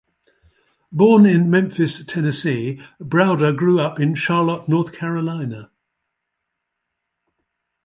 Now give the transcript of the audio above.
Born in Memphis, Tennessee, Browder grew up in Charlotte, North Carolina.